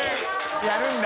やるんだ。